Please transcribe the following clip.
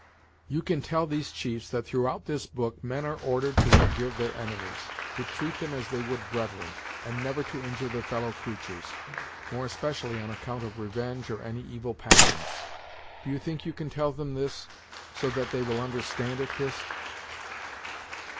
"You can tell these chiefs that throughout this book, men are ordered to forgive their enemies; to treat them as they would brethren; and never to injure their fellow creatures, more especially on account of revenge or any evil passions. Do you think you can tell them this, so that they will understand it, Hist?"